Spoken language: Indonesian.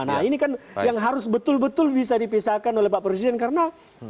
nah ini kan yang harus betul betul bisa dipisahkan oleh pak presiden karena